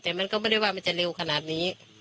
แต่มันก็ไม่ได้ว่ามันจะเร็วขนาดนี้